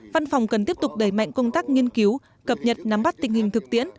văn phòng cần tiếp tục đẩy mạnh công tác nghiên cứu cập nhật nắm bắt tình hình thực tiễn